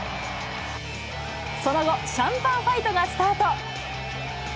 その後、シャンパンファイトがスタート。